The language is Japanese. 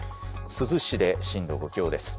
珠洲市で震度５強です。